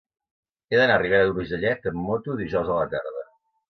He d'anar a Ribera d'Urgellet amb moto dijous a la tarda.